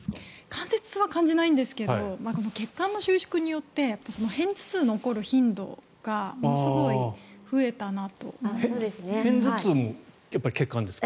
関節痛は感じないんですが血管の収縮によって片頭痛の起こる頻度がものすごい増えたなと思います。